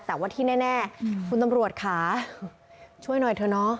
แต่ว่าที่แน่คุณตำรวจค่ะช่วยหน่อยเถอะเนาะ